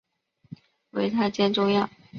为她煎中药